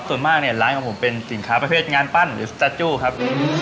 ส่วนมากเนี่ยร้านของผมเป็นสินค้าประเภทงานปั้นหรือสตาจู้ครับ